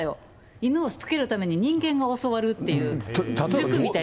犬をしつけるために人間が教わるっていう塾みたいな。